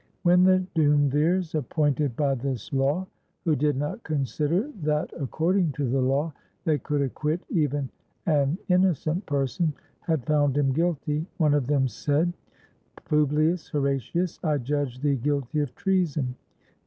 ^^ When the duumvirs appointed by this law, who did not consider that, according to the law, they could acquit even an innocent person, had found him guilty, one of them said, "Publius Horatius, I judge thee guilty of treason.